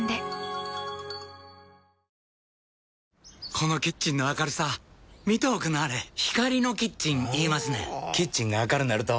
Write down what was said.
このキッチンの明るさ見ておくんなはれ光のキッチン言いますねんほぉキッチンが明るなると・・・